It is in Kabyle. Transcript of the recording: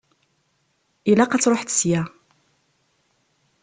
Ilaq ad truḥeḍ ssya.